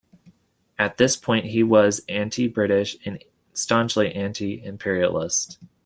At this point, he was anti-British and staunchly anti-imperialist.